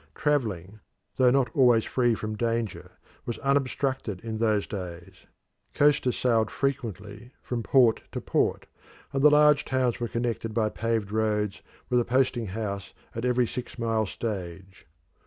Travelling, though not always free from danger, was unobstructed in those days: coasters sailed frequently from port to port, and the large towns were connected by paved roads with a posting house at every six mile stage.